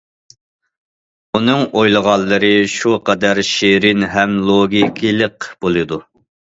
ئۇنىڭ ئويلىغانلىرى شۇ قەدەر شېرىن ھەم لوگىكىلىق بولىدۇ.